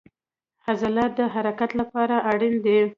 عضلات د حرکت لپاره اړین دي